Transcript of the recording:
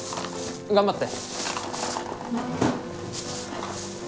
頑張って。